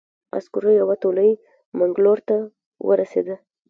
عسکرو یوه تولۍ منګلور ته ورسېده.